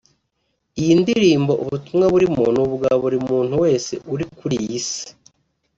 Iyi ndirimbo ubutumwa burimo ni ubwa buri muntu wese uri kuri iyi isi